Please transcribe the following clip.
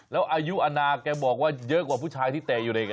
แล้วอายุอนาแกบอกว่าเยอะกว่าผู้ชายที่เตะอยู่เด็ก